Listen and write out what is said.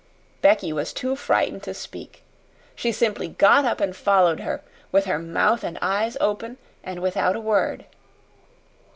Becky was too frightened to speak. She simply got up and followed her, with her mouth and eyes open, and without a word.